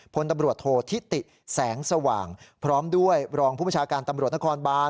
พลตำรวจโทษธิติแสงสว่างพร้อมด้วยรองผู้ประชาการตำรวจนครบาน